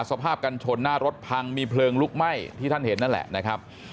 สภาพกันชนหน้ารถพังมีเพลิงลุกไหม้ที่ท่านเห็นนั่นแหละนะครับ